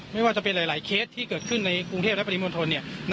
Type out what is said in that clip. ไม่ว่าจะเป็นหลายเคสที่เกิดขึ้นในกรุงเทพและปริมณฑล